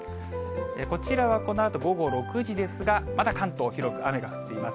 こちらはこのあと午後６時ですが、まだ関東広く雨が降っています。